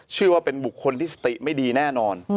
เชื่อว่าเป็นบุคคลที่สติไม่ดีแน่นอน